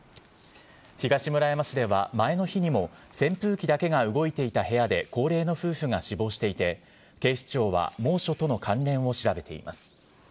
東村山市では前の日にも扇風機だけが動いていた部屋で高齢の夫婦が死亡していて、警視庁は猛暑との関連を調べています。